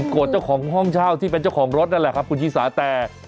เจ้าของห้องเช่าที่เป็นเจ้าของรถนั่นแหละครับคุณชิสาแต่